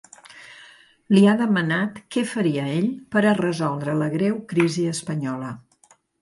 Li ha demanat què faria ell per a resoldre la greu crisi espanyola.